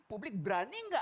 publik berani nggak menitipkan